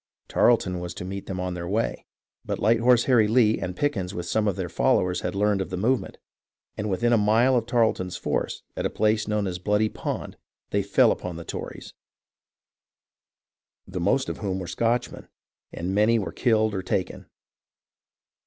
Tarleton was to meet them on their way, but Light Horse Harry Lee and Pickens with some of their followers had learned of the movement, and within a mile of Tarleton's force, at a place known as Bloody Pond, they fell upon the Tories, the most of whom were Scotchmen, and many were killed or taken.